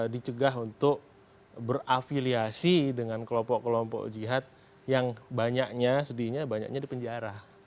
dicegah untuk berafiliasi dengan kelompok kelompok jihad yang banyaknya sedihnya banyaknya di penjara